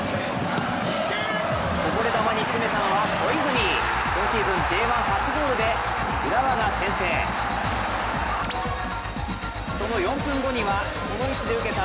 こぼれ球に詰めたのは小泉、今シーズン、Ｊ１初ゴールで浦和が先制その４分後にはこの位置で受けた